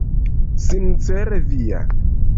Sincere via.